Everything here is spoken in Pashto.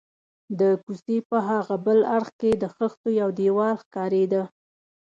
د کوڅې په هاغه بل اړخ کې د خښتو یو دېوال ښکارېده.